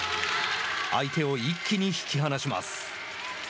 相手を一気に引き離します。